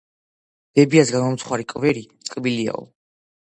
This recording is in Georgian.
ბებიას გამომცხვარი კვერი ტკბილიაო